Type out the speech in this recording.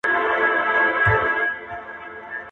که ښوونځي لابراتوار ولري، کیفیت به حتما ښه سي.